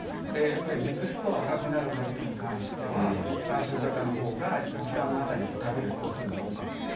やっぱり熟すと赤くなる果実に関しては３色型の方が時間当たりで言うと食べる個数が多かった。